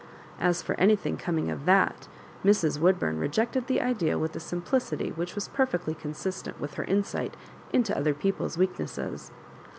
As for anything coming of that, Mrs. Woodbum rejected the idea with a sim plicity which was perfectly consistent with her insight into other people's weaknesses.